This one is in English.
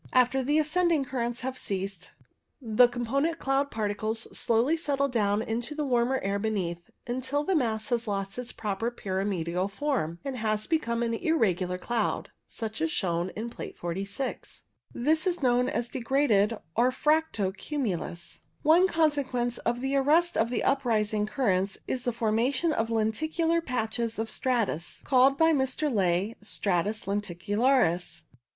After the ascending currents have ceased, the component cloud particles slowly settle down into the warmer air beneath, until the mass has lost its proper pyramidal form, and has become an irregular cloud, such as is shown in Plate 46. This is known as degraded or fracto cumulus. o 98 CUMULUS One consequence of the arrest of the uprising currents is the formation of lenticular patches of stratus, called by Mr. Ley stratus lenticularis.